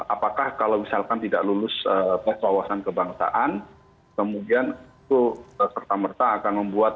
apakah kalau misalkan tidak lulus tes wawasan kebangsaan kemudian itu serta merta akan membuat